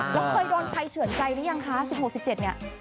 แล้วเคยโดนใครเฉื่อนใจหรือยังคะ๑๖๑๗เนี่ย